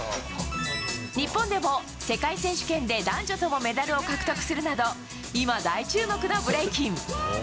日本でも世界選手権で男女共、メダルを獲得するなど今、大注目のブレイキン。